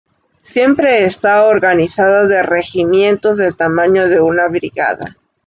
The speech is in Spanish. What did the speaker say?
Siempre está organizada en regimientos, del tamaño de una brigada.